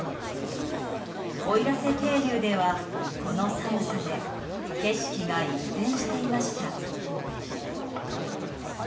奥入瀬渓流では、この寒さで景色が一変していました。